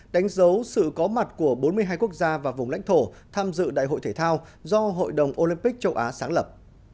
đánh dấu sự có mặt của bốn mươi hai quốc gia và vùng lãnh thổ tham dự đại hội thể thao do hội đồng olympic châu á sáng lập